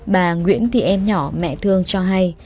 bà nguyễn thị en nhỏ mẹ thương cho hay